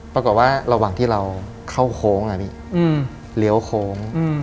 ปรากฏว่าระหว่างที่เราเข้าโค้ง